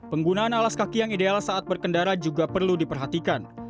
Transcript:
penggunaan alas kaki yang ideal saat berkendara juga perlu diperhatikan